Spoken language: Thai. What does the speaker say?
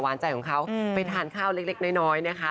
ใจของเขาไปทานข้าวเล็กน้อยนะคะ